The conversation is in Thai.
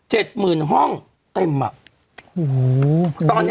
๗๐๐๐๐เห้อเต็มอะ